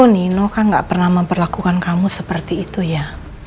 nino kan gak pernah memperlakukan kamu seperti itu ya